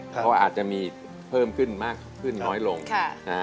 เพราะว่าอาจจะมีเพิ่มขึ้นมากขึ้นน้อยลง